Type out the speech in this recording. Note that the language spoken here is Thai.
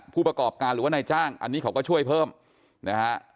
ผู้ประกอบการหรือว่านายจ้างอันนี้เขาก็ช่วยเพิ่มนะฮะ